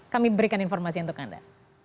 kami berikan informasi untuk anda